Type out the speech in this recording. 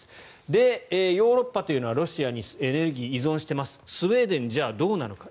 で、ヨーロッパというのはロシアにエネルギーを依存していますスウェーデンはどうなのか。